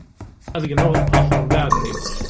Ad gneɣ ɣef ṛṛbiɣ-nni.